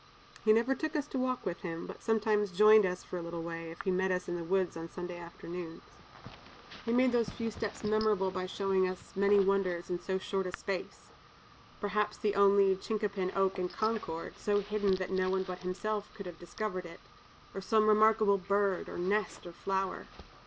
He never took us to walk with him, but sometimes joined us for a little way, if he met us in the woods on Sunday afternoons. He made those few steps memorable by showing us many wonders in so short a space: perhaps the only chincapin oak in Concord, so hidden that no one but himself could have discovered it or some remarkable bird, or nest, or flower.